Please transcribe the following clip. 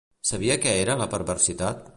Sabia què era la perversitat?